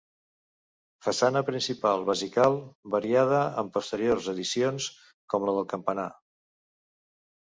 Façana principal basilical variada amb posteriors addicions, com la del campanar.